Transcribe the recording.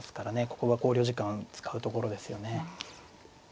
ここは考慮時間使うところですよね。